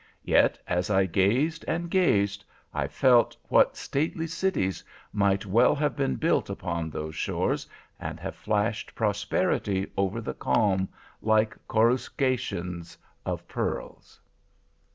Yet, as I gazed and gazed, I felt what stately cities might well have been built upon those shores, and have flashed prosperity over the calm, like coruscations of pearls.